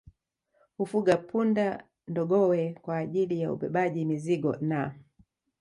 Hufuga punda ndogowe kwa ajili ya ubebaji mizigo na